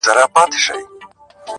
د تاریخي کرنې څاروي ورو وو.